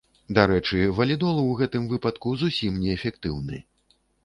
Дарэчы, валідол у гэтым выпадку зусім неэфектыўны.